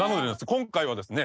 今回はですね